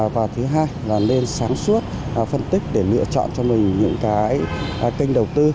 và thứ hai là nên sáng suốt phân tích để lựa chọn cho mình những cái kênh đầu tư